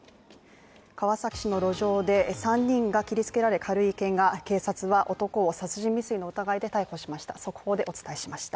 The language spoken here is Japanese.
川崎市の路上で３人が切り付けられ軽いけが警察は男を殺人未遂の疑いで逮捕しました速報でお伝えしました。